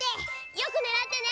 よくねらってね！